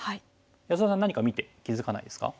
安田さん何か見て気付かないですか？